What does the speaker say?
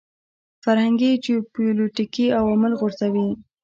فرهنګي جیوپولیټیکي عوامل غورځوي.